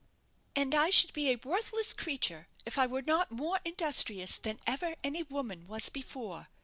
"And I should be a worthless creature if I were not more industrious than ever any woman was before!"